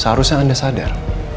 seharusnya anda sadar